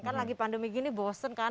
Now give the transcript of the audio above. kan lagi pandemi gini bosen kan